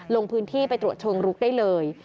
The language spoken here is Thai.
ลงพื้นที่ไปตรวจเชิงลุกได้เลย